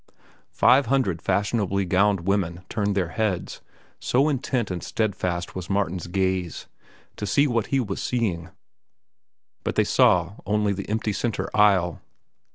Five hundred fashionably gowned women turned their heads, so intent and steadfast was Martin's gaze, to see what he was seeing. But they saw only the empty centre aisle.